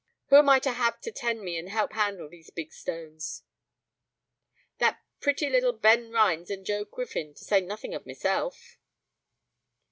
"Who am I to have to tend me, and help handle these big stones?" "That pretty little Ben Rhines and Joe Griffin, to say nothing of myself."